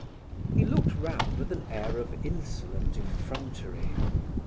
He looked round with an air of insolent effrontery.